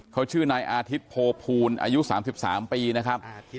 เขาชื่อนายอาทิตย์โพภูลอายุ๓๓ปีนะครับ